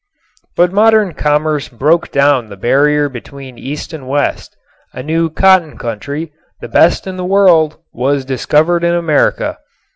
But modern commerce broke down the barrier between East and West. A new cotton country, the best in the world, was discovered in America.